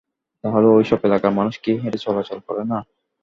তাহলে ওই সব এলাকার মানুষ কি হেঁটে চলাচল করে না?